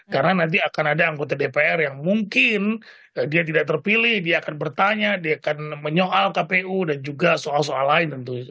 karena nanti akan ada anggota dpr yang mungkin dia tidak terpilih dia akan bertanya dia akan menyoal kpu dan juga soal soal lain tentu